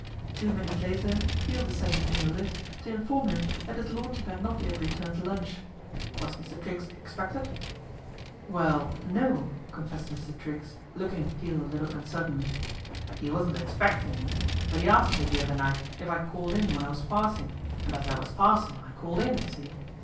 Two minutes later Peel descendec in the lift to inform him that his Lordship hac MR. TRIGGS TAKES TEA 209 not yet returned to lunch. Was Mr. Triggs ex pected ?" Well, no," confessed Mr. Triggs, looking at Peel a little uncertainly. " 'E wasn't expecting me ; but 'e asked me the other night if I'd call in when I was passing, and as I was passing I called in, see